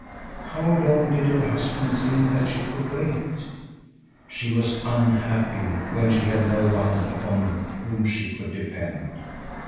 How long did her husband think that she could wait? She was unhappy when she had no one upon whom she could depend.